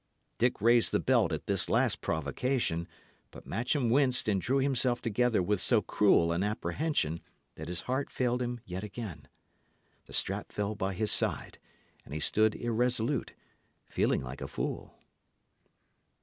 Dick raised the belt at this last provocation, but Matcham winced and drew himself together with so cruel an apprehension, that his heart failed him yet again. The strap fell by his side, and he stood irresolute, feeling like a fool.